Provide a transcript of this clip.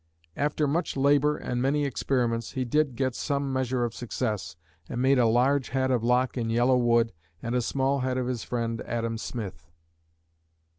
After much labor and many experiments he did get some measure of success, and made a large head of Locke in yellow wood, and a small head of his friend Adam Smith.